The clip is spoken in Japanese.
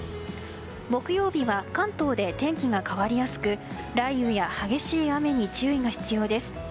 木曜日は関東で天気が変わりやすく雷雨や激しい雨に注意が必要です。